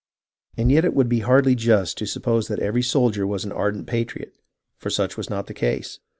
And yet it would be hardly just to suppose that every soldier was an ardent patriot, for such was not the case.